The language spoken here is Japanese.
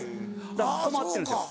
だから困ってるんですよ。